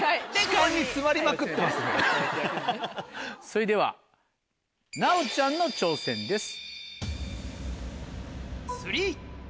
それでは奈央ちゃんの挑戦です。